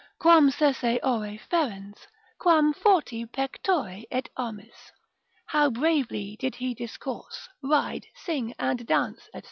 Quam sese ore ferens, quam forti pectore et armis, how bravely did he discourse, ride, sing, and dance, &c.